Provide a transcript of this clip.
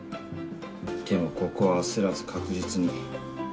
でもここは焦らず確実に。